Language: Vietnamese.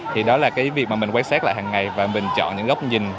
thì đó là cái việc mà mình quan sát lại hàng ngày và mình chọn những góc nhìn